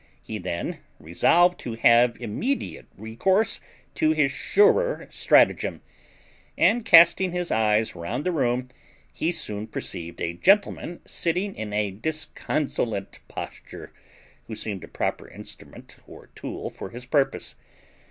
He then resolved to have immediate recourse to his surer stratagem; and, casting his eyes round the room, he soon perceived a gentleman sitting in a disconsolate posture, who seemed a proper instrument or tool for his purpose.